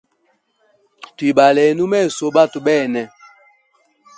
Twibalene umeso batwe bene.